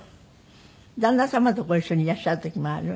旦那様とご一緒にいらっしゃる時もある？